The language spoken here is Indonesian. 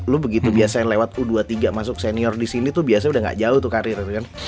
lo begitu biasa yang lewat u dua puluh tiga masuk senior disini tuh biasanya udah gak jauh tuh karir